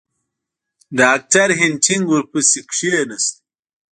ډاکټر هینټیګ ورپسې کښېنست.